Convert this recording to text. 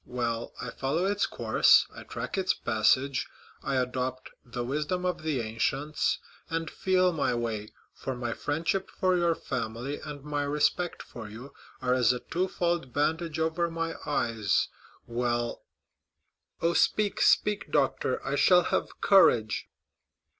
Well, I follow its course, I track its passage; I adopt the wisdom of the ancients, and feel my way, for my friendship for your family and my respect for you are as a twofold bandage over my eyes; well——" "Oh, speak, speak, doctor; I shall have courage."